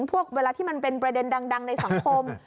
เวลาที่มันเป็นประเด็นดังในสังคม